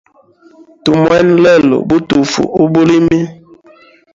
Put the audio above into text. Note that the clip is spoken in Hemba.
Tumwena lelo butufu ubulimi.